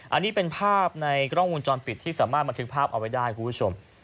อันนี้เป็นภาพในกล้องวงจรปิดที่สามารถบันทึกภาพเอาไว้ได้คุณผู้ชม